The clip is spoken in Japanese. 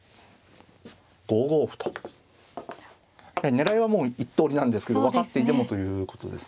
狙いはもう１通りなんですけど分かっていてもということですね。